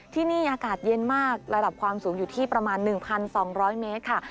ที่นี่อากาศเย็นมากระดับความสูงอยู่ที่ประมาณ๑๒๐๐เมตรค่ะ